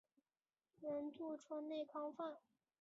原作川内康范。